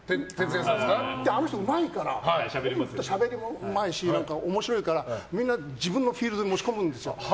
あの人、しゃべりもうまいし面白いから、自分のフィールドに持ち込むんですよ。